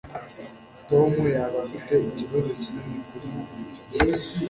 Tom yaba afite ikibazo kinini kuri ibyo.